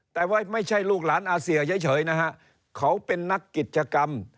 แต่ว่าไม่ใช่ลูกหลานอาเซียเฉยนะฮะเขาเป็นนักกิจกรรม